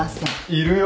いるよ。